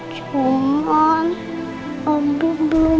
tante angin luar neraka